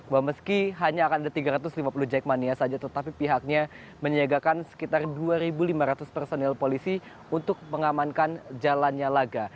bahwa meski hanya akan ada tiga ratus lima puluh jackmania saja tetapi pihaknya menyiagakan sekitar dua lima ratus personil polisi untuk mengamankan jalannya laga